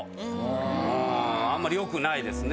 あんまりよくないですね。